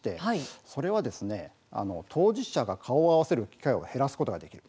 それは当事者が顔を合わせる機会を減らすことができる。